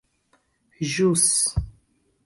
ĵus